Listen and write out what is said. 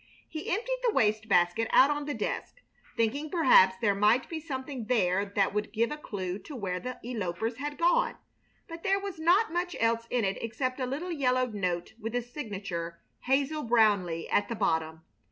He emptied the waste basket out on the desk, thinking perhaps there might be something there that would give a clue to where the elopers had gone; but there was not much else in it except a little yellowed note with the signature "Hazel Brownleigh" at the bottom.